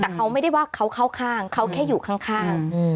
แต่เขาไม่ได้ว่าเขาเข้าข้างเขาแค่อยู่ข้าง